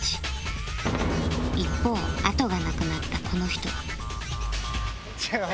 一方後がなくなったこの人は